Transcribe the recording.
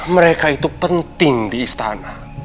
mereka itu penting di istana